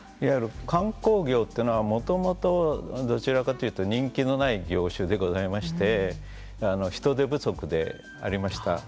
観光業というのはもともとどちらかというと人気のない業種でございまして人手不足でありました。